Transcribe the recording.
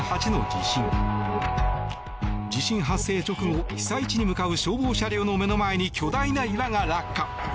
地震発生直後、被災地に向かう消防車両の目の前に巨大な岩が落下。